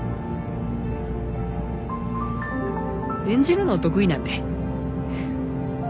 演じるの得意なんで。